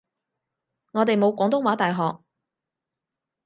我哋冇廣東話大學